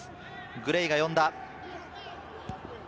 グレイが呼んだ。